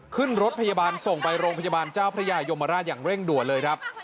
ขึ้นรถพยาบาลส่งไปโรงพยาบาลเจ้าพระยายมราชอย่างเร่งด่วนเลยครับ